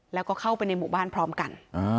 แล้วก็เข้าไปในหมู่บ้านพร้อมกัน